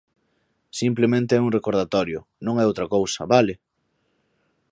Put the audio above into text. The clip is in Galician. Simplemente é un recordatorio, non é outra cousa, ¿vale?